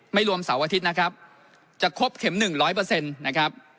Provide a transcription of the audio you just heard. ไม่รวมเสาร์อาทิตย์นะครับจะครบเข็มหนึ่งร้อยเปอร์เซ็นต์นะครับ